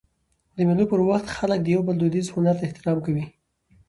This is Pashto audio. د مېلو پر وخت خلک د یو بل دودیز هنر ته احترام کوي.